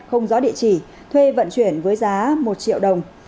không rõ địa chỉ thuê vận chuyển với giá một triệu đồng